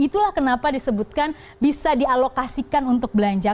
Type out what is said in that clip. itulah kenapa disebutkan bisa dialokasikan untuk belanja